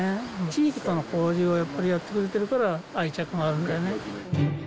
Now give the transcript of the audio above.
地域との交流をやっぱりやってくれてるから、愛着があるんだよね。